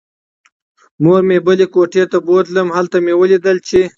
مور مې بلې کوټې ته بوتلم. هلته مې ولیدله چې